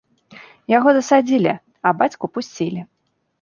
Яго засадзілі, а бацьку пусцілі.